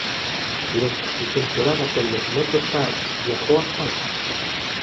Durante su temporada con los MetroStars, viajó a St.